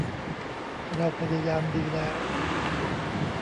เราพยายามดีแล้ว